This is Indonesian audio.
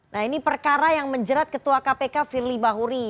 nah ini perkara yang menjerat ketua kpk firly bahuri